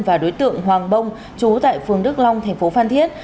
và đối tượng hoàng bông chú tại phường đức long tp phan thiết